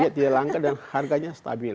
dia tidak langka dan harganya stabil